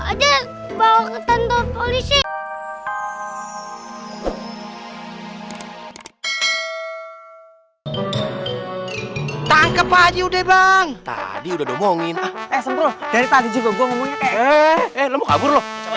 aja bawa ke tentor polisi tangkep aja udah bang tadi udah ngomongin dari tadi juga gue ngomongin